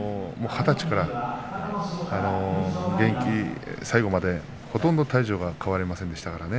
二十歳から現役最後までほとんど体重が変わりませんでしたからね。